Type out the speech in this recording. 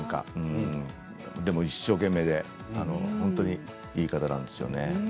でも一生懸命で本当にいい方なんですよね。